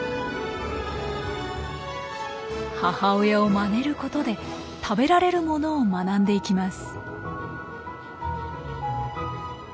母親をまねることで食べられるものを学んでいきます。